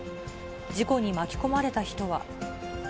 事故に巻き込まれた人は。